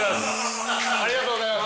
ありがとうございます。